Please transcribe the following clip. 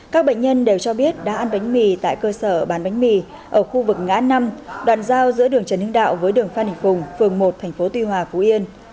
các bệnh nhân đều cho biết đã ăn bánh mì tại cơ sở bán bánh mì ở khu vực ngã năm đoạn giao giữa đường trần hưng đạo với đường phan đình phùng phường một tp tuy hòa phú yên